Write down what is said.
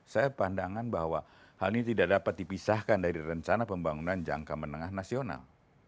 saya pandangan bahwa hal ini tidak dapat dipisahkan dari rencana pembangunan jangka menengah nasional